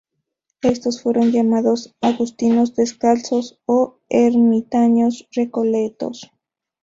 Estos fueron llamados agustinos descalzos o ermitaños recoletos.